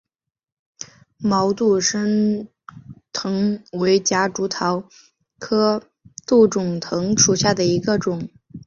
毛杜仲藤为夹竹桃科杜仲藤属下的一个种。